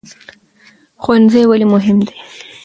ښوونځی ولې مهم دی؟